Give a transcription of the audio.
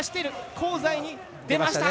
香西に出ました。